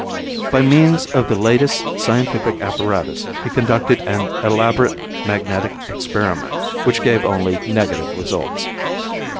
By means of the latest scientific apparatus he conducted an elaborate magnetic experiment which gave only negative results.